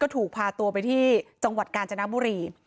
ถูกพาตัวไปที่จังหวัดกาญจนบุรี